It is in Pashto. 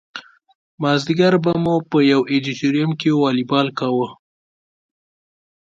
مازدیګر به مو په یو ادیتوریم کې والیبال کاوه.